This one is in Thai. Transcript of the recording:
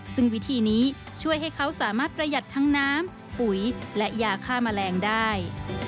ซึ่งวิธีนี้ช่วยให้เขาสามารถประหยัดทั้งน้ำปุ๋ยและยาฆ่าแมลงได้